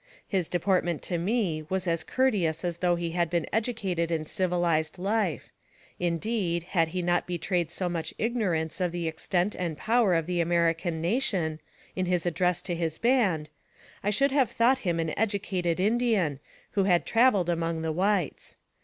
His deportment to me was as courteous as though he had been educated in civilized life ; indeed, had he not betrayed so much ignorance of the extent and power of the American nation, in his address to his band, I should have thought him an educated Indian, who had traveled among the whites.